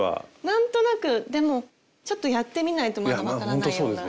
何となくでもちょっとやってみないとまだわからないような。